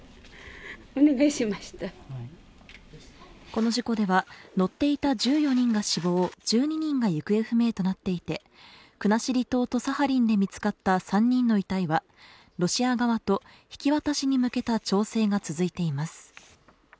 この事故では乗っていた１４人が死亡、１２人が行方不明となっていて国後島とサハリンで見つかった３人の遺体はロシア側と引き渡しに向けた調整が続いています。